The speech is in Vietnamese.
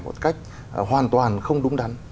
một cách hoàn toàn không đúng đắn